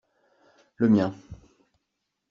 Le mien.